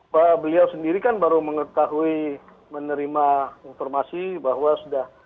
pak beliau sendiri kan baru mengetahui menerima informasi bahwa sudah